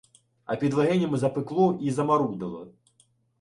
А під легенями запекло і замарудило.